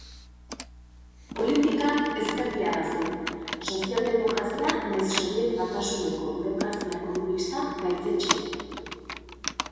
Politikan, ezkertiarra zen, sozialdemokrazia nahiz Sobiet Batasuneko burokrazia komunista gaitzetsiz.